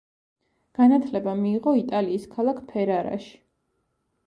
განათლება მიიღო იტალიის ქალაქ ფერარაში.